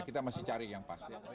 kita masih cari yang pasti